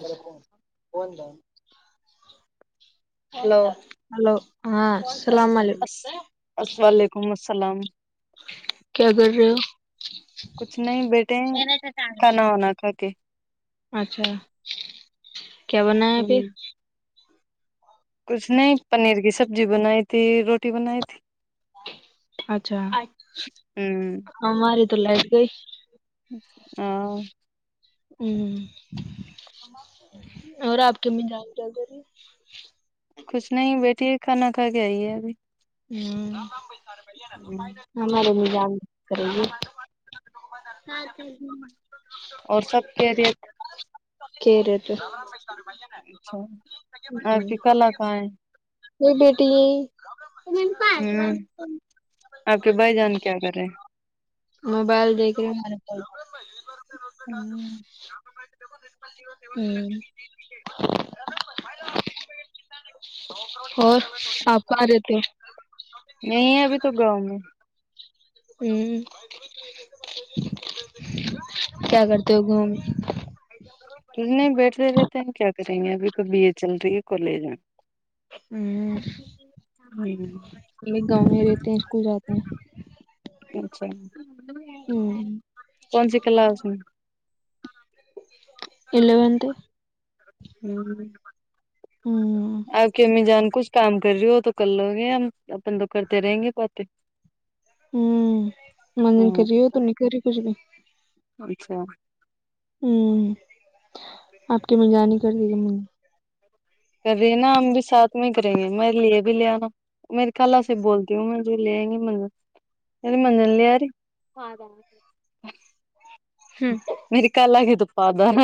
اھا کون hello hello ہاں السلام علیکم وعلیکم السلام کیا کر رہے ہو کان ہونا کہتی اچھا کیا بنا ہے پھر ہ کچھ نہیں پنیر کی سبزی بنائی تھی روٹی بنائی تھی اچھا ہ ہمماری تو لائٹ گئی ہاں ہ اور آپ کے امی جان کیا کری [inaudible] کچھ نہیں بیٹھی کھانا کھا کے آئیے ابھی ہ ہمارے امی جان کرے گے ہاں اور سب ا خیریت کہ رے تے سے آپ کی کلا کہاں یہ بیٹی ہے ہ آپ کے بھائی جان کیا کر رہے ہیں موبائل دیکھ رہ ہمارے ہوں اور آپ کہاں رہتے میں ابھی تو گاؤں میں ہ کیا کرتے توگوں [unintelligible] نہیں بیٹھتے رہتے ہیں کیا کریں گے ابھی کو بی اے چل رہی ہے کالج میں میں ہ ایک گاؤں میں رہتے ہیں اسکول جاتے ہیں اچھا ہ کون س کلا س میں الیونت ہ ہ آ کی میں جان کچ کام کر رہی ہو وہ تو کر لو گے ہم اپن تو کرتے رہیں گے پتے ہوں منجن ہاں کری ہو تو نہیں کری کچھ بھی اچھا ہوں آپ کے میں جانی کر دی گ م کر رہی نا ہم بھی ساتھ میں ہی کریں گے میں لیے بھی لے آناا میری کال سے بول کیوں گا جو لےیں گے منزن نی منزن لے آ رہی ہوں میری کال آگ ت پادار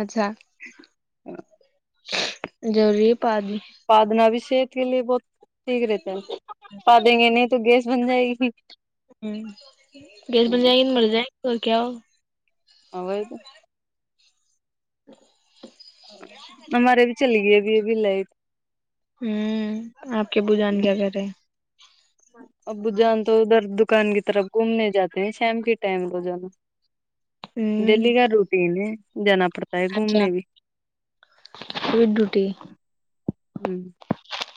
اچھا ضروری ہے پادی پادنابی شیک کے لیے بہت ٹھیک رہتے ہیں ہم پا دیں گے نہیں تو گیس بن جائے گی ہ گیس بن جائیں گی ن مر جائیں گے گ کیا ہو ا وہئی تو ہمارے بھی چلی گئی ابی ابی لائٹ ہی ہوں آپ کے ابوجان کیا کرے ابو جان تو ادھر دکان کی طرف گھومنے جاتے ہیں شام کے ٹائم رو جانا ہیں ڈیلی کا روٹیین ہے جانا پڑتا ہے گھومنے بھی ہ ہ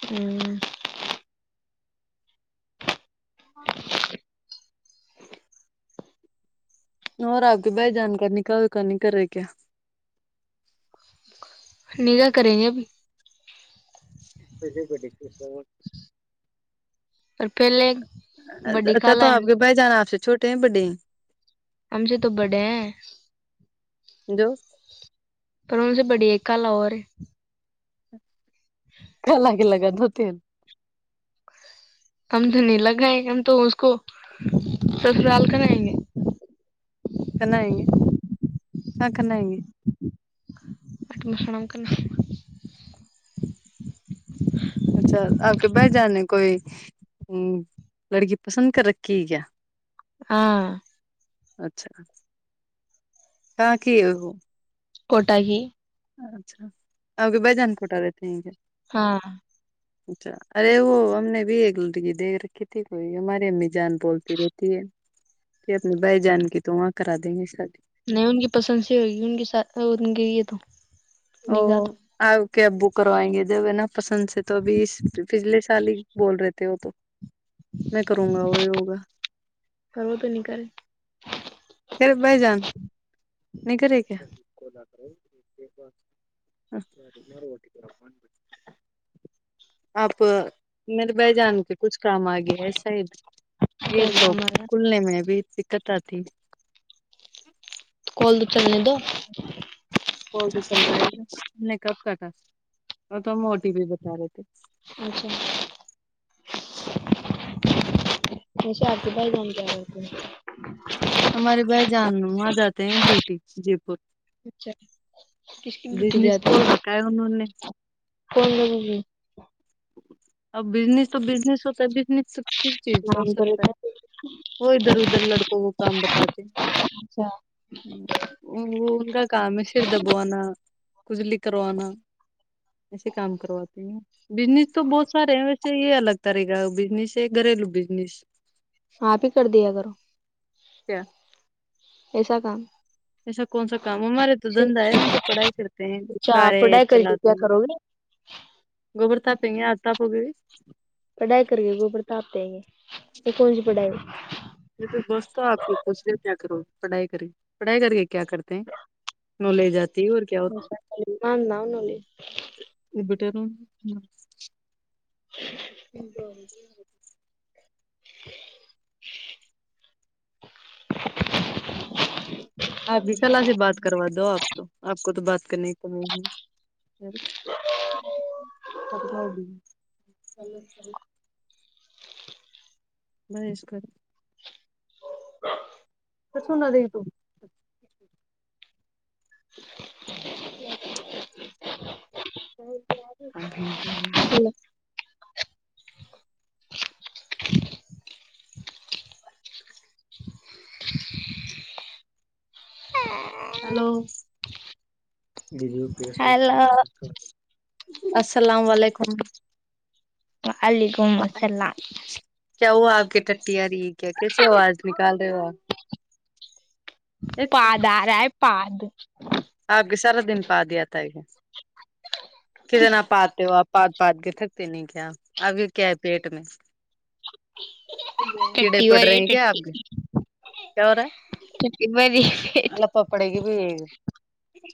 ہوں ہ [unintelligible] اور آپ کے بھائی جان نکح وایکا نہیں کر رہے کیا نگاہ کریں گے اب بلی اور پہلے بڑی اچھا کالا تو آپ ہے کے بھائی جان آپ سے چھوٹے ہیں بڈے ہیں ہم سے تو بڈے ہیں جو پر ان سے بڑی ایک کلا اور رہ ہے ک لگے لگا ہوتے ہیں ہم تو نہیں لگائیں گے ہم تو اس کو سسرال کرائیں گے کناائیں گے ہاں کناائیں گ پٹ ماحڑوم کا اچھا آپ کے بھائی جان نے کوئی لڑکی پسند کر رکھی کیا ہاں اچھا کہاں کی ہے وہ کوٹ ہی اچھا اورے بجان کوٹا رہتے ہیں ہاں اچھا ارے وہ ہم نے بھی ایک لڑکی دیکھ رکھی تھی کوئی ہماری امی جان بولتی رہتی ہے اپنی بھائی جان کیی تو وہاں کرا دیں گے شادی نہیں ان کی پسند سی ہوگی ان کے ساتھ ان کے یہ تو نگاہ تو آپ کیب بک کروائیں گے جب ہے نا پسند سے تو ابھی پچھلے سال ہی بول رہے تھے وہ تو میں کروں گا وہی ہوگا سرو تو نہیں کرے خھر بائی جان نہیں کرے کیا [inaudible] آپ میرے بہ جان کے کچھ کام آ گیا ایسا ہی یہ کیسا لوگ ہمارا کلنے میں بھی دقت آ تھی کال دو چللنے دو چل رہا ہے نے کب کا تھا اور تو ہم موٹی بھی بتا رہے تھے اچھا آج بائی جان ہمارے بھائی جان وہاں جاتے ہیں ڈیوٹی جے پور اچھا کس کن روٹی جاتی کیا نہیں کون لگی اب بزنیس تو بزنس ہوتا ہے بزنس تو کسی چیز ہو نام تو سکتا ہے لیتا وہ ادھر ادھر لڑکوں کو کام بتاتے اچھا او کا کامشیر دبوناا کجلی کروانا ایسے کام کرواتے ہیں بزنس تو بہت سارے یہ الگ طاری کاا بزنیس ہے گھرلو بزنیس آپ ہی کر دیا کرو کیا ایسا کام ایسا کون سا کام ہمارے تو دھندا ہے ہم تو پڑھائی کرتے ہیں اچھا آپ کارےب پڑھائی کر کے چلاتے کیا ہیں کرو گے گوبر تاپیں گے آج تپ ہوگی پڑھائی کر کے پرڑتاپتے ہے گ تو کون جی پڑھائی یہ تو بس تھا آپ کے کچے کیا کرو پڑھائی کرے پڑھائی کر کے کیا کرتے ہیں نالج آتی ہے اور کیا نہنے ابٹیر جی جٹ آپھی کلا سے بات کروا دو آپ تو آپ کو تو بات کرنے کی کم نہیں کب کا ہو اس کر ا تو سنا تو [inaudible] جی جی الل ہلو ہلو السلام علیکم وعلیکم السلام کیا وہ آپ کی ٹٹی آ رہ ہے کیا کیسے ہوواز نکال رہ ہو آپ پد آ رہا ہے پد آپ کے سارا دن پاد آتا ہے کتنا آپ پادتے ہو آپ [inaudible] کیڑے ٹٹی ہو پڑ رہی رہے ہیں ہے کیا آپ ٹٹی اور یہ [inaudible]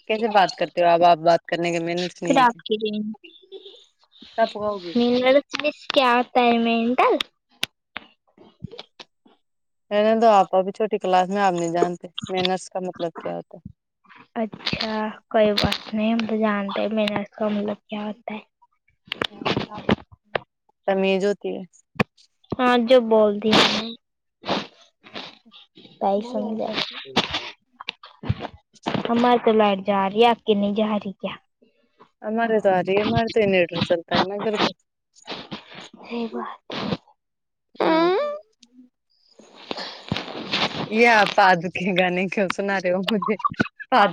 کیسے بات کرتے ہو اب آپ بات کرنے کی محنت سنیے پھر آپ کی رینج [inaudible] [inaudible] میں نے تو آپ اب چھوٹی کلاس میں آپ نہیں جانتے محنتس کا مطلب کیا ہوتا ہے اچھا کوئی بات نہیں ہم تو جانتے میرا ایسا [inaudible] ہاں جو بول دی نے سمجھا [inaudible] ہماری تو لائٹ جا رہی ہے آک کے نہیں جا رہی کیا ہم مارے تواری مارتے نڈر سلتا ہے نگرر صحیح بات ہاں [inaudible] یا پاد کے گان کی سنا رہے ہو مجھے پد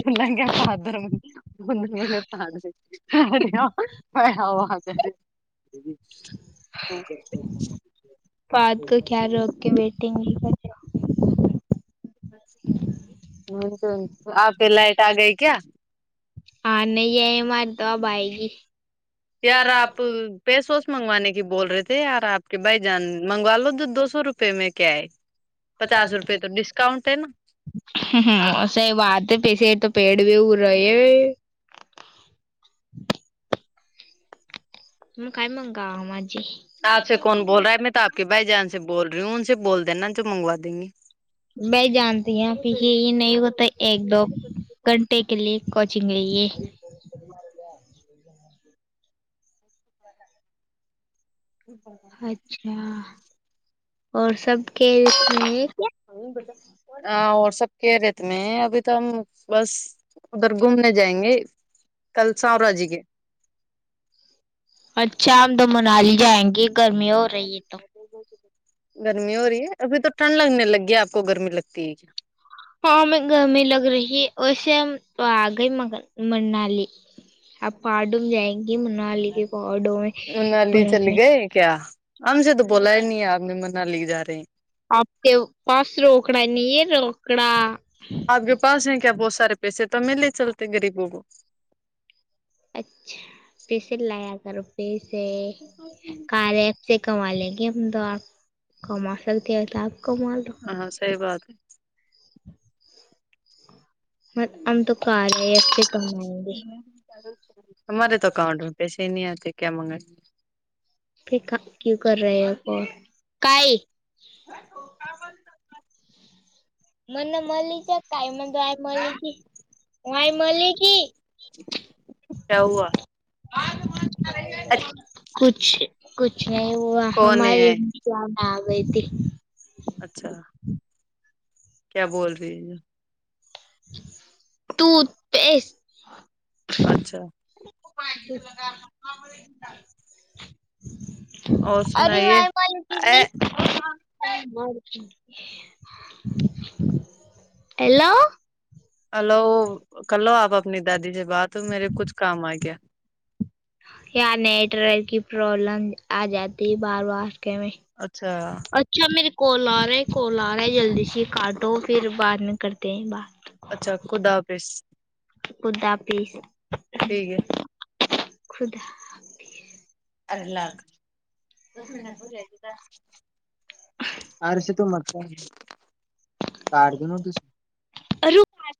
سنا [inaudible] کر کی ویٹنگ بھی کر آپ کے لائٹ آ گئی کیا ہاں نہیں آئے ہماری تو اب آئے گی یار آپ پیسوس منگوانے کی بول رہے تھے یار آپ کے بھائی جان منگوا لو تو دو سو روپے میں کیا ہے پچاس روپے تو ڈسکاؤنٹ ہے نا اسا یہ بات ہے پیسے تو پیڑ بھی وہ رہے کئی مگا مجی آپ سے کون بول رہا ہے میں توپ کے بھائی جان سے بول رہی ہوں ان سے بول دینا جو منگوا دیں گی بھائی جانتی ہیں نہیں ہوتا ایک دو گھنٹے کے لیے کوچنگ لیے جییک اچھا اور سب کے اس میں اور سب کہ ریت میں ابھی تو ہم بس ادھر گھومنے جائیں گے کل سور راجی کے اچھا ہم تو منالی جائیں گے گرمی ہو رہی ہے تو گرمی ہو رہی ہے ابھی تو ٹھنڈ لگنے لگ گی ہے آپ کو گرمی لگتی ہے کیا ہاں میں گرمی لگ رہی اے آگ ہی منالی آپ پارڈوم جائیں گے [inaudible] انالی چل گئے کیا ہمپج سے تو بولا ہی نہیں ہے آپ نے مناالی کے جا رہے ہیں اپ کے پس روکڑا نہیں روکڑا آپ کے پاس ہیں کیا بہت سارے پیسے تو ملے چلتے غریبوں کو اچھا پیسے لایا کرو پیسے کار اس سے کما لیں گے ہم تو آپ کما سکتے وس آپ کما دو ہاں ہاں سہی بات ہے م ہم تو کار ہے سے کمائیں گے ہمارے تو اکاؤنٹ میں پیسے ہی نہیں آتے کیا منگائ پھریک کیوں کر رہے ہیں آپ کائی م نے ملی ج ک م تو آ م تھی ہ آئی ملی تھی کیا ہوا کچھ کچھ نہیں وہ کون ہمارے ہے کیا نہ آ گئی تھی اچھا کیا بول رہی ہے تو پس اچھا ل گار اور ارے سنائیے وائمل اے تمی ہیلو ہلو کر لو آپ اپنی دادی سے بات ہو میرے کچھ کام آ گیا یا نیٹ ورک کی پرابلم آ جاتی ہے بار وار کے میں اچھا اچھا میرے کال آ رہا ہے کال آ رہا ہے جلدی سے یہ کاٹو پھر بعد میں کرتے ہیں بات اچھا خدا حافظ خدا پس ٹھیک ہے خدا پس مائے اور م کاٹ دین ت ارو